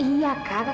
iya kak ke kamar